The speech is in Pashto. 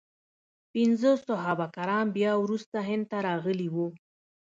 پنځه صحابه کرام بیا وروسته هند ته راغلي وو.